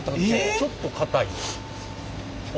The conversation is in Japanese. ちょっと硬い。